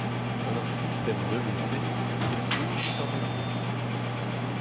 Gant ar sistem nevez-se e toujit an endro.